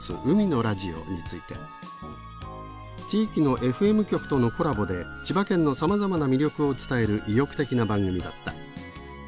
海のラジオ」について「地域のＦＭ局とのコラボで千葉県のさまざまな魅力を伝える意欲的な番組だった。